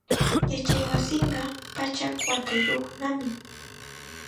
Yachaywasinqa pachak watayuqnami.